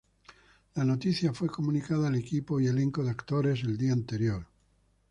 La noticia fue comunicada al equipo y elenco de actores el día anterior.